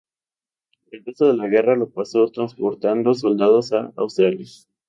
El resto de la guerra lo pasó transportando soldados a Australia.